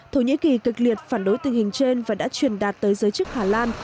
thổ nhĩ kỳ cực liệt phản đối tình hình trên và đã truyền đạt tới giới chức hà lan